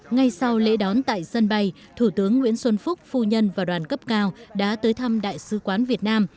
ngay sau lễ đón tại sân bay thủ tướng nguyễn xuân phúc phu nhân và đoàn cấp cao đã tới thăm đại sứ quán việt nam